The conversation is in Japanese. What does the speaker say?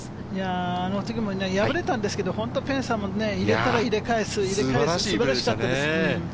あの時も敗れたんですけど、ペさんも入れたら入れ返す、素晴らしかったですね。